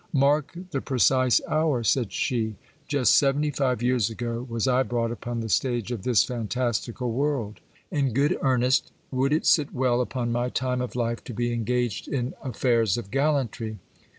M:irk the precise hour, said she ; just seventy five years ago was I brought upon 278 GIL BLAS. the stage of this fantastical world. In good earnest, would it sit well upon m) time of life to be engaged in affairs of gallantry